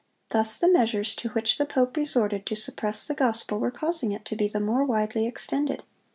Thus the measures to which the pope resorted to suppress the gospel, were causing it to be the more widely extended.